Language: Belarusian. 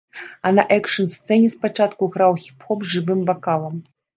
А на экшн-сцэне спачатку граў хіп-хоп з жывым вакалам.